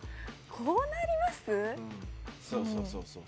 こうなります？